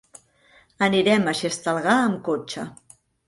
Anirem a Xestalgar amb cotxe.